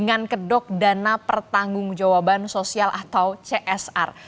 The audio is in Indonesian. dan kedok dana pertanggungjawaban sosial atau csr